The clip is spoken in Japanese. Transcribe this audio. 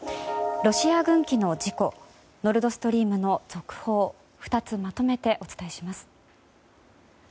ロシア軍機の事故ノルドストリームの続報２つまとめてお伝えします。